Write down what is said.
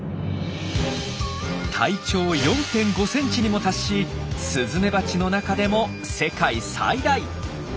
体長４．５ｃｍにも達しスズメバチの中でも世界最大。